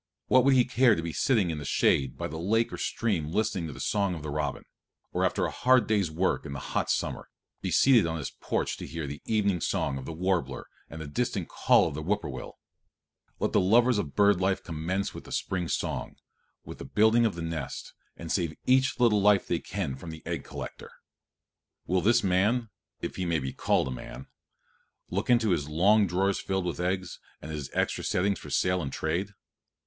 What would he care to be sitting in the shade by the lake or stream listening to the song of the robin, or after a hard day's work in the hot summer, be seated on his porch to hear the evening song of the warbler and the distant call of the whippoorwill? Let the lovers of bird life commence with the spring song, with the building of the nest, and save each little life they can from the egg collector. Will this man, if he may be called a man, look into his long drawers filled with eggs, and his extra settings for sale and trade?